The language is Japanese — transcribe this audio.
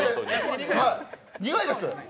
苦いです。